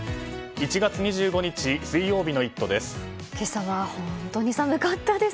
１月２５日水曜日の「イット！」です。